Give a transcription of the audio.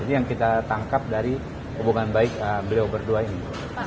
jadi yang kita tangkap dari hubungan baik beliau berdua ini